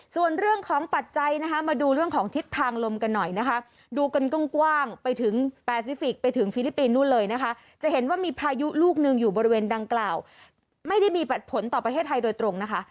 ส่วนเรื่องของปัจจัยนะคะมาดูเรื่องของทิศทางลมกันหน่อยนะคะดูกันกว้างไปถึงแปซิฟิกไปถึงฟิลิปปินส์นู่นเลยนะคะจะเห็นว่ามีพายุลูกหนึ่งอยู่บริเวณดังกล่าวไม่ได้มีผลต่อประเทศไทยโดยตรงนะคะ